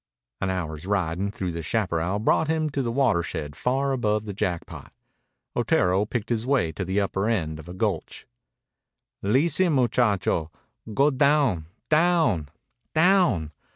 An hour's riding through the chaparral brought him to the watershed far above the Jackpot. Otero picked his way to the upper end of a gulch. "Leesten, muchacho. Go down down down.